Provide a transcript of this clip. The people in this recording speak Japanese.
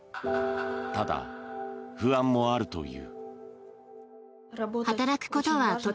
ただ、不安もあるという。